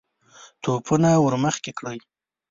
توپونه ور مخکې کړئ!